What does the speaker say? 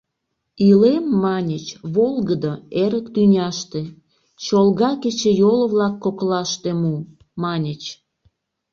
«Илем, — маньыч, — волгыдо, эрык тӱняште, Чолга кечыйол-влак коклаште му», — маньыч.